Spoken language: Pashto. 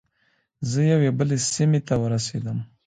زه یوې بلې سیمې ته ورسیدم.